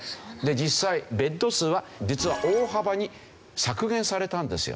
実際ベッド数は実は大幅に削減されたんですよ。